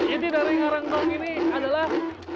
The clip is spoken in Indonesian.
ini dari ngarengkong ini adalah